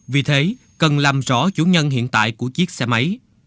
vì thế cần làm rõ chủ nhân hiện tại của chiếc xe máy